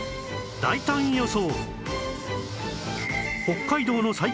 大胆予想！